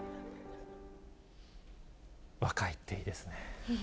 若いっていいですね。